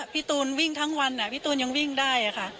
พี่ตูนวิ่งทั้งวันพี่ตูนยังวิ่งได้ค่ะ